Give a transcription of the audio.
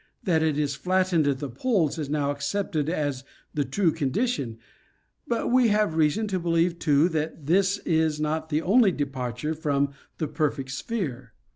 That it is flattened at the poles is now accepted as the true condition, but we have reason to believe, too, that this is not the only departure from the perfect sphere.